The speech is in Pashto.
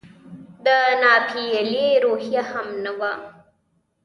د ناپیېلې روحیه هم نه وه.